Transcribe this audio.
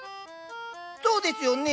そうですよね？